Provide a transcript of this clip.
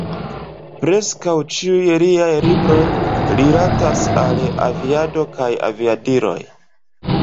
Preskaŭ ĉiuj liaj libroj rilatas al aviado kaj aviadiloj.